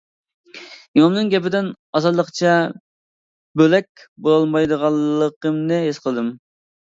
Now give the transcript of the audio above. ئىمامنىڭ گېپىدىن ئاسانلىقچە بۆلەك بولالمايدىغانلىقىمنى ھېس قىلدىم.